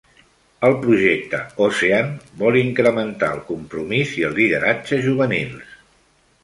El Projecte Ocean vol incrementar el compromís i el lideratge juvenils.